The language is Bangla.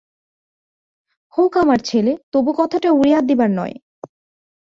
হোক আমার ছেলে তবু কথাটা উড়াইয়া দিবার নয়।